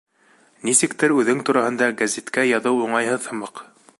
Нисектер үҙең тураһында гәзиткә яҙыу уңайһыҙ һымаҡ.